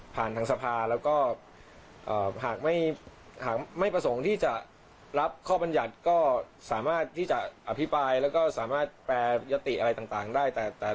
ทางสภาแล้วก็หากไม่ประสงค์ที่จะรับข้อบรรยัติก็สามารถที่จะอภิปรายแล้วก็สามารถแปรยติอะไรต่างได้แต่